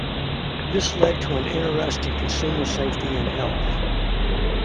This led to an interest in consumer safety and health.